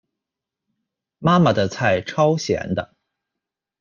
妈妈的菜超咸的